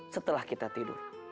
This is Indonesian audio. setelah kita tidur